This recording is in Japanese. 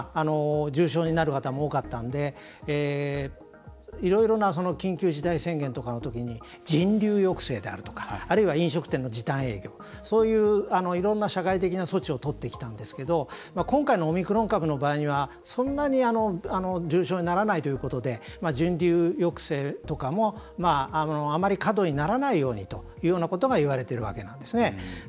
重症になる方も多かったんでいろいろな緊急事態宣言とかのときに人流抑制であるとかあるいは飲食店の時短営業、そういういろんな社会的な措置をとってきたんですが今回のオミクロン株の場合にはそんなに重症にならないということで人流抑制とかもあまり過度にならないようにということがいわれてるわけなんですね。